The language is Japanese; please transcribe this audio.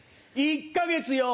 １か月よ